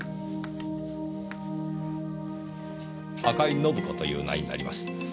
赤井のぶ子という名になります。